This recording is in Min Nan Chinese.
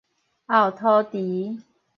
後塗除